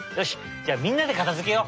じゃあみんなでかたづけよう！